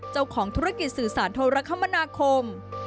เจ้าของธุรกิจสื่อสารโทรคมนาคม